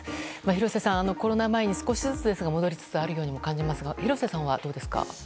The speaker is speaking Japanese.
廣瀬さん、コロナ前に少しずつですが戻りつつあるようにも感じますが廣瀬さんはどうですか？